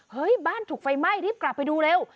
เฮ้ยบ้านถูกไฟไหม้รีบกลับไปดูเร็ว